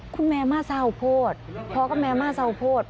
คุณแม่มาเศร้าโพธิพ่อก็แม่มาเศร้าโพธิ